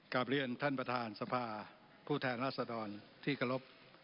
กลับเรียนท่านประธานสภาผู้แทนราษดรที่เคารพ